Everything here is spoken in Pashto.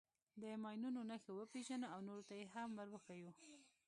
د ماینونو نښې وپېژنو او نورو ته یې هم ور وښیو.